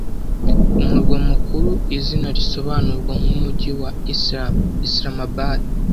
Umurwa mukuru izina risobanurwa nkUmujyi wa Islam Islamabad